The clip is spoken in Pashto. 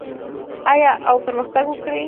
آیا او پرمختګ وکړي؟